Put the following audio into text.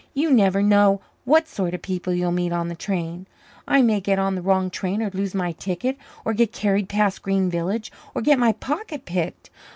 You never know what sort of people you'll meet on the train. I may get on the wrong train or lose my ticket or get carried past Green Village or get my pocket picked.